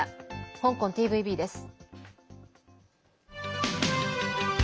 香港ＴＶＢです。